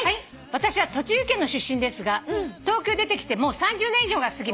「私は栃木県の出身ですが東京へ出てきてもう３０年以上が過ぎました」